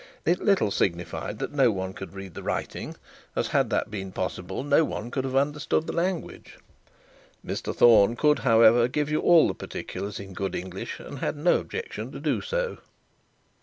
It little signified that no one could read the writing, as, had that been possible, no one could have understood the language. Mr Thorne could, however, give you all the particulars in good English, and had no objection to do so.